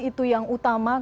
itu yang utama